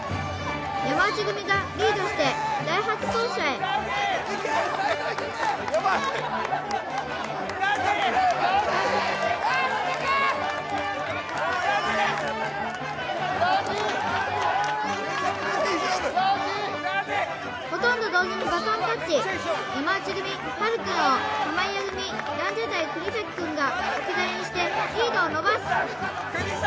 山内組がリードして第８走者へほとんど同時にバトンタッチ山内組はるくんを濱家組ランジャタイ国崎くんが置き去りにしてリードを伸ばす・